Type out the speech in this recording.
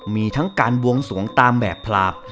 มีทั้งการบวงสวงตามแบบพลาบ